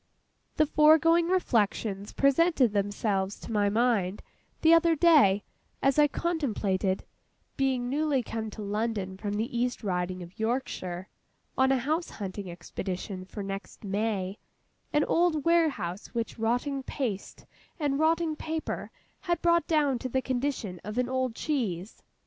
The foregoing reflections presented themselves to my mind, the other day, as I contemplated (being newly come to London from the East Riding of Yorkshire, on a house hunting expedition for next May), an old warehouse which rotting paste and rotting paper had brought down to the condition of an old cheese.